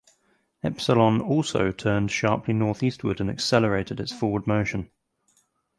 Epsilon also turned sharply northeastward and accelerated its forward motion.